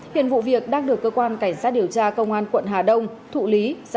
hiện vụ việc đang được cơ quan cảnh sát điều tra công an quận hà đông thụ lý giải quyết theo quy định của pháp luật